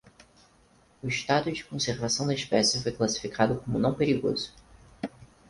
O estado de conservação da espécie foi classificado como não perigoso.